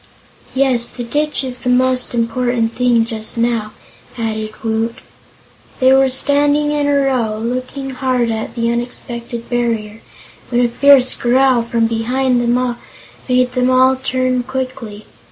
"Yes, the ditch is the most important thing, just now," added Woot. They were standing in a row, looking hard at the unexpected barrier, when a fierce growl from behind them made them all turn quickly.